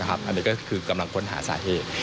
อันนี้ก็คือกำลังค้นหาสาเหตุ